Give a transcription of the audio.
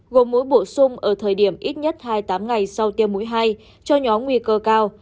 gồm mũi bổ sung ở thời điểm ít nhất hai mươi tám ngày sau tiêm mũi hai cho nhóm nguy cơ cao